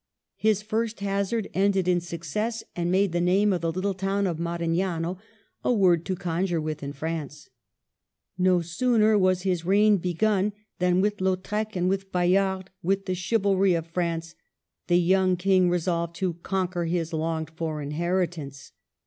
His first hazard ended in success, and made the name of the little town of Marignano a word to conjure with in France. No sooner was his reign begun, than with Lautrec and with Bayard, with the chivalry of France, the young King resolved to conquer his longed for inheritance.